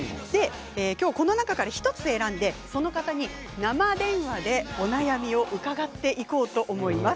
今日、この中から１つ選んでその方に生電話でお悩みを伺っていこうと思います。